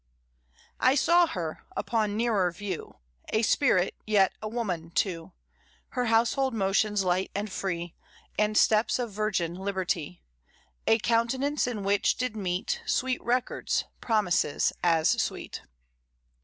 I saw her, upon nearer view, A spirit, yet a woman too, Her household motions light and free, And steps of virgin liberty, A countenance in which did meet Sweet records, promises as sweet.